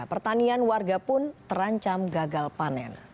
pertanian warga pun terancam gagal panen